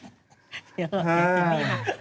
ตรงนี้ค่ะ